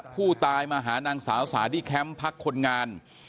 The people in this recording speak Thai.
ผู้ตายมาหานางสาวสาที่แคมป์พักคนงาน